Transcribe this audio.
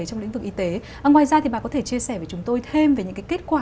trong lĩnh vực y tế ngoài ra thì bà có thể chia sẻ với chúng tôi thêm về những kết quả